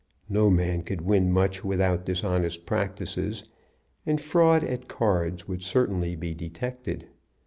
No man could win much without dishonest practices, and fraud at cards would certainly be detected.